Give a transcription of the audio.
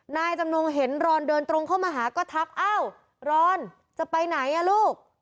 นายจำนงเห็นรอนเดินตรงเข้ามาหาก็ทักอ้าวรอนจะไปไหนอ่ะลูก